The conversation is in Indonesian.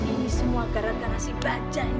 ini semua gara gara si bajaj